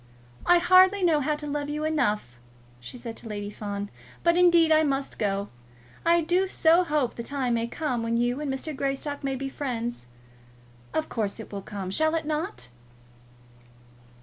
"I hardly know how to love you enough," she said to Lady Fawn, "but indeed I must go. I do so hope the time may come when you and Mr. Greystock may be friends. Of course, it will come. Shall it not?"